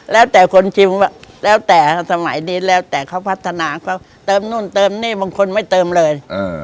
แล้วแต่คนชิมแล้วแต่สมัยนี้แล้วแต่เขาพัฒนาเขาเติมนู่นเติมนี่บางคนไม่เติมเลย